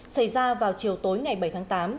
xảy ra vào chiều tối ngày bảy tháng tám